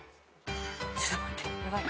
ちょっと待ってヤバい。